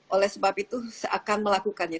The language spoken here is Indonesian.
oleh sebab itu seakan melakukannya